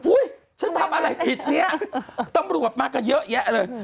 ฉันทำอะไรผิดเนี่ยตำรวจมากันเยอะแยะเลย